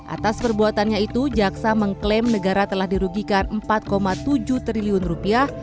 atas perbuatannya itu jaksa mengklaim negara telah dirugikan empat tujuh triliun rupiah